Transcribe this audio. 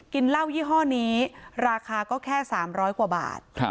กินแล้วยี่ห้อนี้ราคาก็แค่๓๐๐บาท